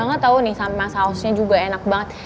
udah gak tau nih sama sausnya juga enak banget